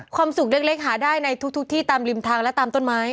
ความสุขเล็กหาได้ในทุกที่ตามริมทางและตามต้นไม้